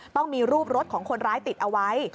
ต้องมีรูปรถของคนร้ายติดเอาไว้